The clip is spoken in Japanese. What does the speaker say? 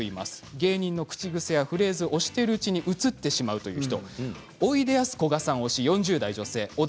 芸人の口癖やフレーズを推しているうちに移ってしまうという人。